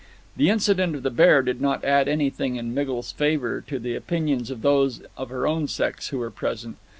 The incident of the bear did not add anything in Miggles's favor to the opinions of those of her own sex who were present.